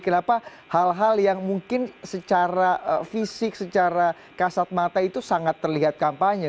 kenapa hal hal yang mungkin secara fisik secara kasat mata itu sangat terlihat kampanye